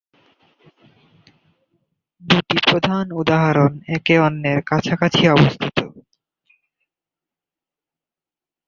দুটি প্রধান উদাহরণ একে অন্যের কাছাকাছি অবস্থিত।